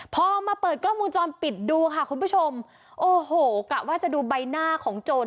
พอมาเปิดกล้องวงจรปิดดูค่ะคุณผู้ชมโอ้โหกะว่าจะดูใบหน้าของโจร